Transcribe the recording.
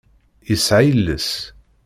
Yesɛa iles.